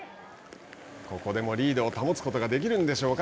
ここでもリードを保つことができるんでしょうか。